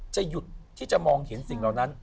จะหยุดที่จะมองเห็นสิ่งเหล่านั้น